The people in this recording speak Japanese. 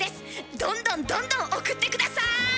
どんどんどんどん送って下さい！